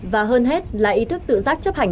và hơn hết là ý thức tự giác chấp hành